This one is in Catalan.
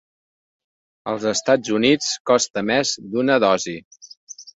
Als Estats Units costa més d'una dosi.